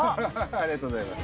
ありがとうございます。